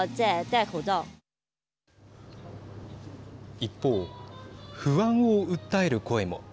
一方、不安を訴える声も。